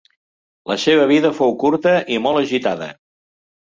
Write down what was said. La seva vida fou curta i molt agitada.